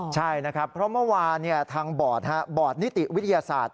ใช่เพราะเมื่อวานทางบอร์ดนิติวิทยาศาสตร์